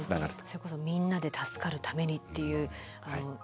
それこそみんなで助かるためにっていうですね。